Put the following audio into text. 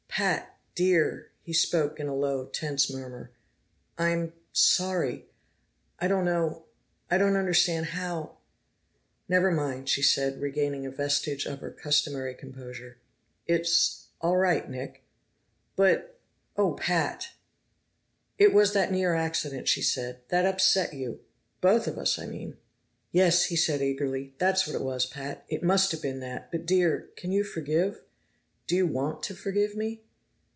"Pat, Dear," he spoke in a low, tense murmur, "I'm sorry. I don't know I don't understand how " "Never mind," she said, regaining a vestige of her customary composure. "It's all right, Nick." "But oh, Pat !" "It was that near accident," she said. "That upset you both of us, I mean." "Yes!" he said eagerly. "That's what it was, Pat. It must have been that, but Dear, can you forgive? Do you want to forgive me?"